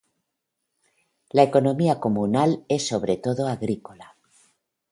La economía comunal es sobre todo agrícola.